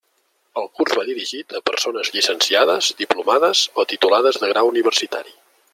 El curs va dirigit a persones llicenciades, diplomades o titulades de grau universitari.